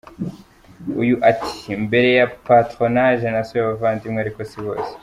Uyu ati: “ mbere ya patronage nasuye abavandimwe, ariko si bose.